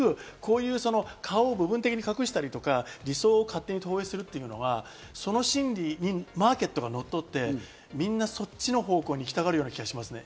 そうすると結局、顔を部分的に隠したり理想を投影するっていうのはその真理にマーケットがのっとって、みんなそっちの方向に行きたがる気がしますね。